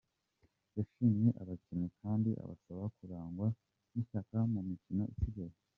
Yashimye abakinnyi, kandi abasaba kurangwa n’ishyaka mu mikino isigaye.